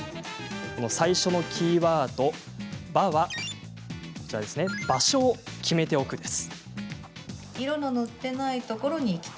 最初のキーワード、「ば」は「場所を決めておく」です。